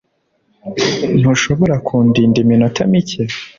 ntushobora kundinda iminota mike